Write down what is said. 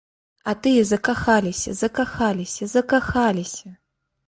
А тыя закахаліся, закахаліся, закахаліся!